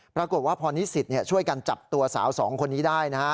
ปรากฏว่าพอนิสิตช่วยกันจับตัวสาวสองคนนี้ได้นะฮะ